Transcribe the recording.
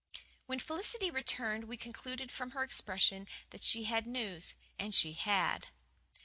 When Felicity returned we concluded from her expression that she had news. And she had.